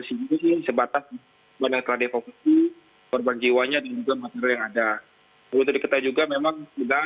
jadi ini sebatas memandang seladai fokusi berbagai jiwa yang ada